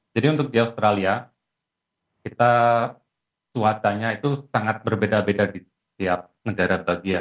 jadi untuk di australia kita cuacanya itu sangat berbeda beda di setiap negara bagian